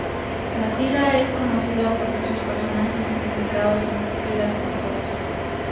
La tira es conocida porque sus personajes son publicados sin pupilas en los ojos.